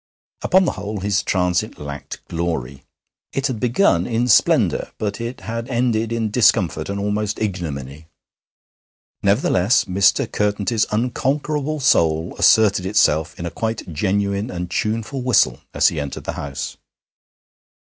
Upon the whole, his transit lacked glory. It had begun in splendour, but it had ended in discomfort and almost ignominy. Nevertheless, Mr. Curtenty's unconquerable soul asserted itself in a quite genuine and tuneful whistle as he entered the house.